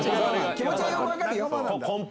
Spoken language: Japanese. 気持ちはよく分かるよ。